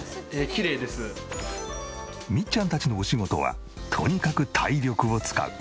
みっちゃんたちのお仕事はとにかく体力を使う。